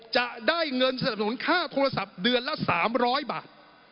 จะได้เงินสนับสนุนค่าโทรศัพท์เดือนละ๓๐๐บาท